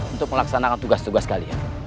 untuk melaksanakan tugas tugas kalian